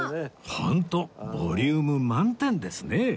ホントボリューム満点ですねえ